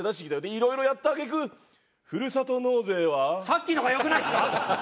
いろいろやった揚げ句「ふるさと納税は」。さっきの方が良くないですか？